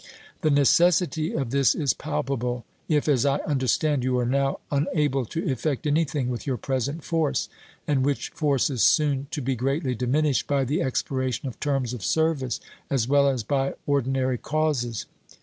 The necessity of this is palpable if, as I understand, you are now un able to effect anything with your present force ; and which force is soon to be greatly diminished by the expiration of terms of service, as well as by ordi nary causes.